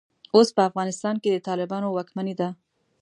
اوس په افغانستان کې د طالبانو واکمني ده.